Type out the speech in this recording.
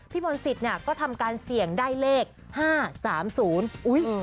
มนศิษย์เนี่ยก็ทำการเสี่ยงได้เลขห้าสามศูนย์อุ้ย